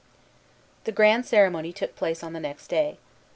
The grand ceremony took place on the next day.